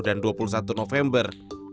dan dua puluh satu november